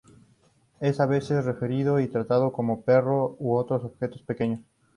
Es a veces referido y tratado como perro u otros objetos pequeños.